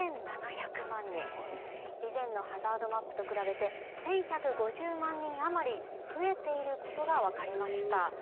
以前のハザードマップと比べて１，１５０万人余り増えていることが分かりました。